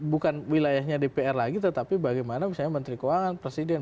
bukan wilayahnya dpr lagi tetapi bagaimana misalnya menteri keuangan presiden